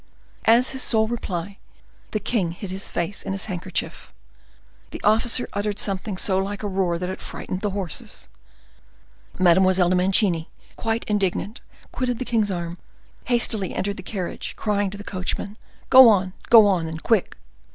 As his sole reply, the king hid his face in his handkerchief. The officer uttered something so like a roar that it frightened the horses. Mademoiselle de Mancini, quite indignant, quitted the king's arm, hastily entered the carriage, crying to the coachman, "Go on, go on, and quick!"